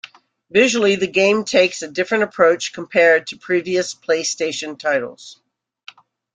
Visually the game takes a different approach compared to previous PlayStation titles.